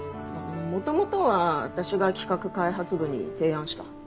元々は私が企画開発部に提案した。